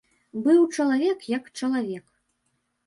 Быў чалавек як чалавек.